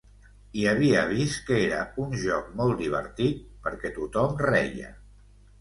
I havia vist que era un joc molt divertit perquè tothom reia.